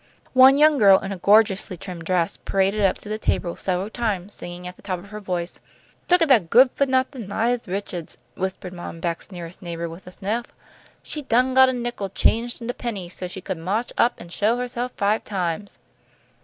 One young girl in a gorgeously trimmed dress paraded up to the table several times, singing at the top of her voice. "Look at that good fo' nothin' Lize Richa'ds," whispered Mom Beck's nearest neighbour, with a sniff. "She done got a nickel changed into pennies so she could ma'ch up an' show herself five times."